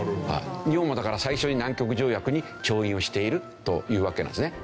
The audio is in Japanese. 日本もだから最初に南極条約に調印をしているというわけなんですね。